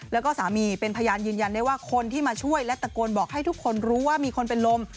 แล้วก็สามีเป็นพยานยืนยันได้ว่าคนที่มาช่วยและตะโกนบอกให้ทุกคนรู้ว่ามีคนเป็นลม